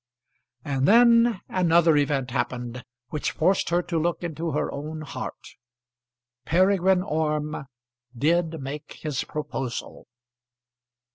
And then another event happened which forced her to look into her own heart. Peregrine Orme did make his proposal.